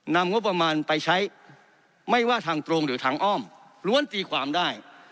นำงบประมาณไปใช้ไม่ว่าทางตรงหรือทางอ้อมล้วนตีความได้